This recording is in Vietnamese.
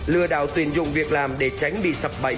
lừa đảo tuyển dụng việc làm để tránh bị sập bẫy